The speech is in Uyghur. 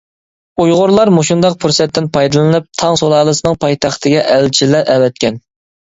ئۇيغۇرلار مۇشۇنداق پۇرسەتتىن پايدىلىنىپ، تاڭ سۇلالىسىنىڭ پايتەختىگە ئەلچىلەر ئەۋەتكەن.